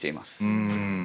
うん。